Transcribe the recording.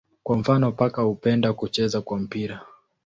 Kwa mfano paka hupenda kucheza kwa mpira.